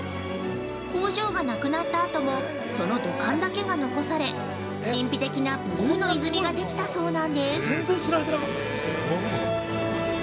工場がなくなったあともその土管だけが残され、神秘的なブルーの泉ができたそうなんです。